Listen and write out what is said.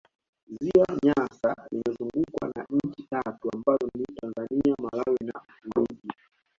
Ziwa Nyasa limezungukwa na nchi tatu ambazo ni Tanzania Malawi na Msumbiji